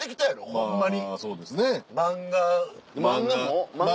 ホンマに。